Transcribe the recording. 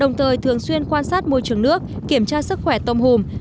đồng thời thường xuyên quan sát môi trường nước kiểm tra sức khỏe tôm hùm